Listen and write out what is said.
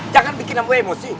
jangan bikin kamu emosi